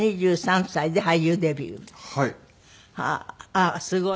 あっすごい。